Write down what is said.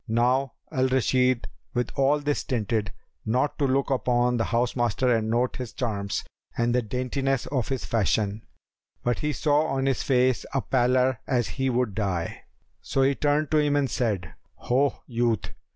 Now Al Rashid with all this stinted not to look upon the house master and note his charms and the daintiness of his fashion; but he saw on his face a pallor as he would die; so he turned to him and said, "Ho, youth!"